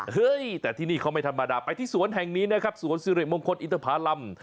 เฮ้ยแต่ที่นี่เขาไม่ธรรมดาไปที่สวนแห่งนี้นะครับสวนสิริมงคลอินทภารำ